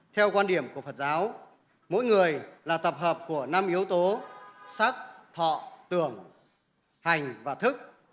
theo quan điểm của phật giáo mỗi người là tập hợp của năm yếu tố sắc thọ tưởng hành và thức